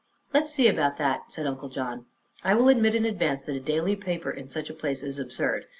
"Let us see about that," said Uncle John. "I will admit, in advance, that a daily paper in such a place is absurd.